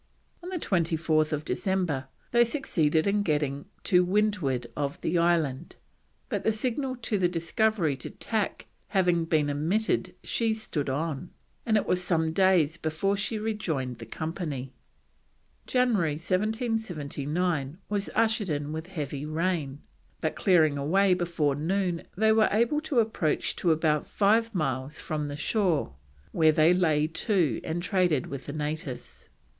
On 24th December they succeeded in getting to windward of the island, but the signal to the Discovery to tack having been omitted she stood on, and it was some days before she rejoined company. January 1779 was ushered in with heavy rain, but clearing away before noon they were able to approach to about five miles from the shore, where they lay to and traded with the natives.